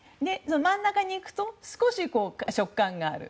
真ん中に行くと少し食感がある。